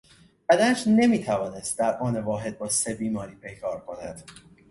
بدنش نمیتوانست در آن واحد با سه بیماری پیکار کند.